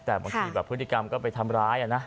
แต่บางทีแบบพฤติกรรมก็ไปทำร้ายนะ